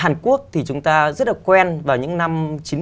hàn quốc thì chúng ta rất là quen vào những năm chín mươi